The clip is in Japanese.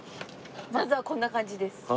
まずはこんな感じです。